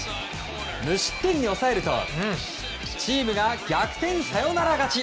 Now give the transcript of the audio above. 無失点に抑えるとチームが逆転サヨナラ勝ち！